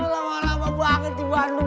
lama lama banget di bandung